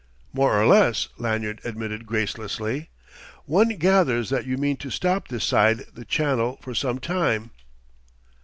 "More or less," Lanyard admitted gracelessly. "One gathers that you mean to stop this side the Channel for some time."